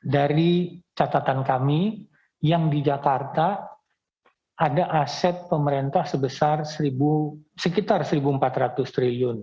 dari catatan kami yang di jakarta ada aset pemerintah sebesar sekitar rp satu empat ratus triliun